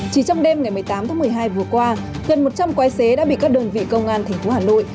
chỉ trong đêm ngày một mươi tám tháng một mươi hai vừa qua gần một trăm linh quái xế đã bị các đơn vị công an tp hà nội